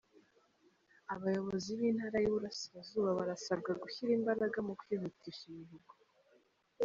Abayobozi b’Intara y’Iburasirazuba barasabwa gushyira imbaraga mu kwihutisha imihigo